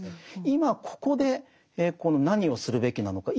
今ここで何をするべきなのか。